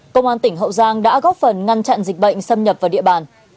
công an tỉnh hậu giang đã góp phần ngăn chặn dịch bệnh xâm nhập vào địa bàn